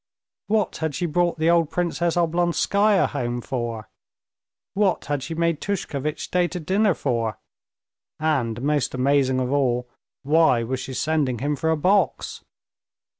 What had she brought the old Princess Oblonskaya home for, what had she made Tushkevitch stay to dinner for, and, most amazing of all, why was she sending him for a box?